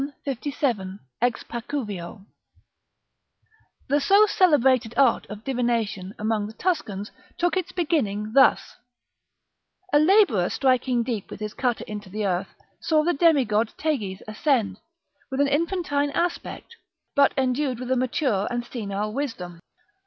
i. 57, ex Pacuvio] The so celebrated art of divination amongst the Tuscans took its beginning thus: A labourer striking deep with his cutter into the earth, saw the demigod Tages ascend, with an infantine aspect, but endued with a mature and senile wisdom.